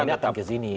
akan ke sini